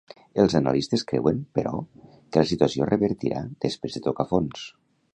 Els analistes creuen, però, que la situació es revertirà després de tocar fons.